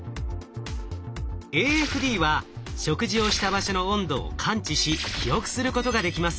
ＡＦＤは食事をした場所の温度を感知し記憶することができます。